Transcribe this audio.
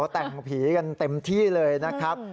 แต่งผีกันเต็มที่เลยนะครับ